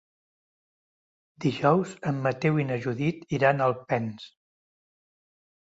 Dijous en Mateu i na Judit iran a Alpens.